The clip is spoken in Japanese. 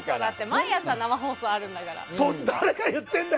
毎朝、生放送あるんだから。